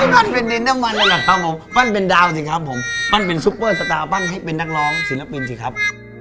ปั้นเป็นดินน้ำมันนั่นแหละครับผมปั้นเป็นดาวสิครับผมปั้นเป็นซุปเปอร์สตาร์ปั้นให้เป็นนักร้องศิลปินสิครับ